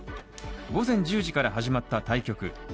午前１０時から始まった対局。